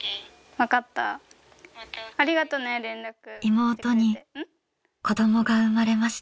妹に子どもが生まれました。